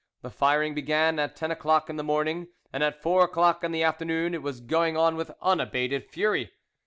The firing began at ten o'clock in the morning, and at four o'clock in the afternoon it was going on with unabated fury.